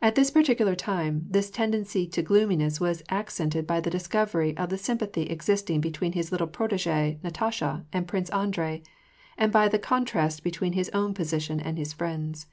At this particular time, this tendency to gloominess was ac cented by the discovery of the sympathy existing between his little protegee Natasha and Prince Andrei, and by the contrast between his own position and his friend's.